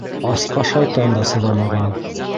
Асҡа шайтан да сыҙамаған.